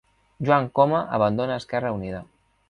Joan Coma abandona Esquerra Unida